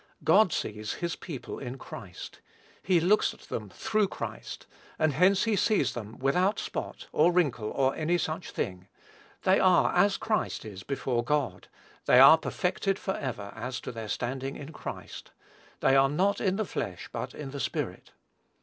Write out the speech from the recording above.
God sees his people in Christ. He looks at them through Christ; and hence he sees them "without spot, or wrinkle, or any such thing." They are as Christ is before God. They are perfected forever, as to their standing in Christ. "They are not in the flesh but in the Spirit."